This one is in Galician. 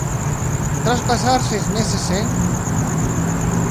Tras pasar seis meses en.